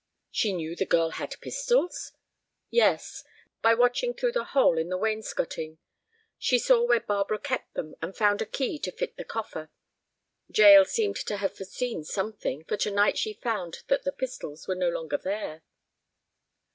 "She knew the girl had pistols?" "Yes—by watching through the hole in the wainscoting. She saw where Barbara kept them, and found a key to fit the coffer. Jael seemed to have foreseen something, for to night she found that the pistols were no longer there."